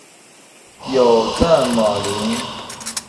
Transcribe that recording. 有这么灵？